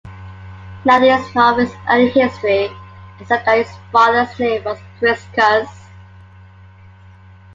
Nothing is known of his early history except that his father's name was Priscus.